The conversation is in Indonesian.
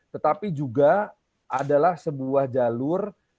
tetapi juga adalah sebuah jalur